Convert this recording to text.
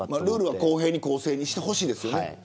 ルールは公正に公平にしてほしいですね。